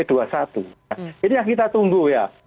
jadi kita tunggu ya